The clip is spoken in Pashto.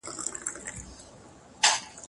د ده نیمګړي ارمانونه یې بیان کړل